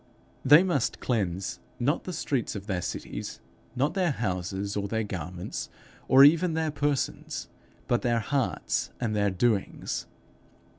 They must cleanse, not the streets of their cities, not their houses or their garments or even their persons, but their hearts and their doings.